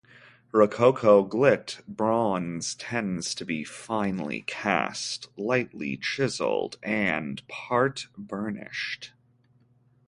Rococo gilt bronze tends to be finely cast, lightly chiseled, and part-burnished.